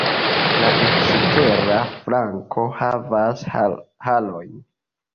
La ekstera flanko havas harojn.